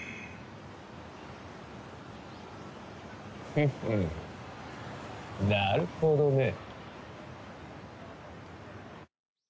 フッフンなるほどねぇ。